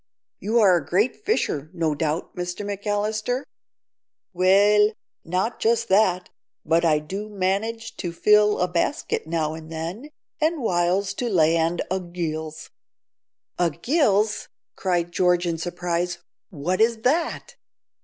You are a great fisher, no doubt, Mr McAllister?" "Well, not just that, but I do manage to fill a basket now and then, an' whiles to land a g'ilse." "A gilse!" cried George in surprise, "what is that?"